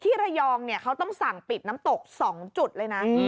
ที่ระเยองเนี่ยเค้าต้องสั่งปิดน้ำตก๒จุดเลยนะ